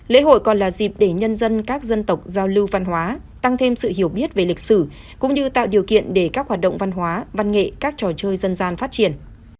lễ hội còn là dịp để nhân dân các dân tộc giao lưu văn hóa tăng thêm sự hiểu biết về lịch sử cũng như tạo điều kiện để các hoạt động văn hóa văn nghệ các trò chơi dân gian phát triển